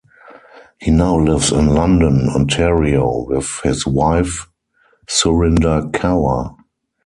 He now lives in London, Ontario with his wife Surinder Kaur.